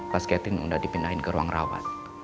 pas catherine udah dipindahin ke ruang rawat